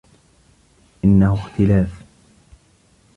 إنه اختلاف.